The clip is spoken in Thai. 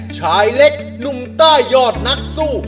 ชายเล็กหนุ่มใต้ยอดนักสู้